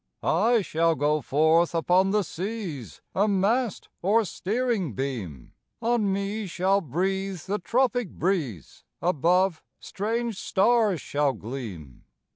"I shall go forth upon the seas, A mast, or steering beam; On me shall breathe the tropic breeze, Above, strange stars shall gleam.'